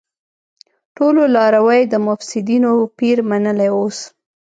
ټولو لاروی د مفسيدينو پير منلی اوس